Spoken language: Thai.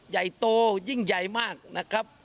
ใหญ่โตยิ่งใหญ่มากนะครับ